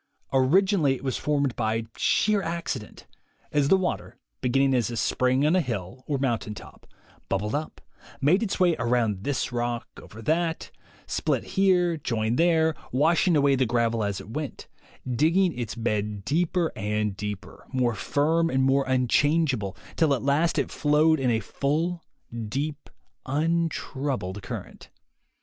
Originally it was formed by sheer accident, as the water, beginning as a spring on a hill or mountain top, bubbled up, made its way around this rock and over that, split here, joined there, washing away the gravel as it went, digging ^s bed deeper and deeper, more firm and more unchangeable, till at last it flowed in a full, deep, untroubled current.